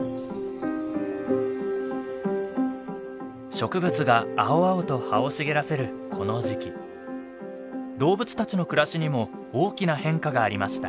植物が青々と葉を茂らせるこの時期動物たちの暮らしにも大きな変化がありました。